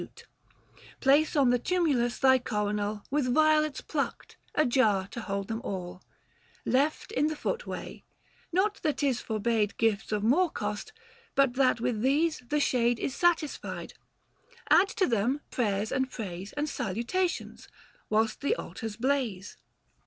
THE FASTL 53 Place on the tumulus thy coronal With violets plucked ; a jar to hold them all, Left in the footway ; not that 'tis forbade Gifts of more cost, but that with these the shade 575 Is satisfied. Add to them prayers and praise, And salutations, whilst the altars blaze.